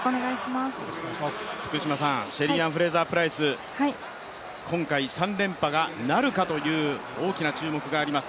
シェリーアン・フレイザープライス、今回、３連覇がなるかという大きな注目があります。